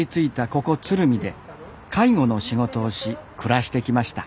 ここ鶴見で介護の仕事をし暮らしてきました。